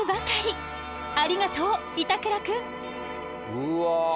うわ。